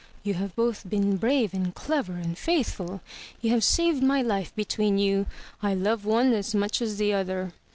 You have both been brave and clever and faithful. You have saved my life between you. I love one as much as the other."